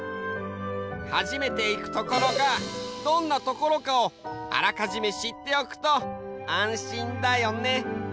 初めていくところがどんなところかをあらかじめしっておくと安心だよね。